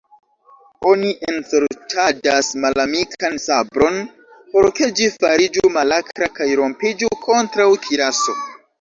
Oni ensorĉadas malamikan sabron, por ke ĝi fariĝu malakra kaj rompiĝu kontraŭ kiraso.